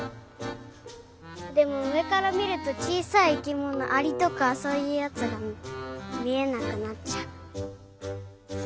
でもうえからみるとちいさい生きものアリとかそういうやつがみえなくなっちゃう。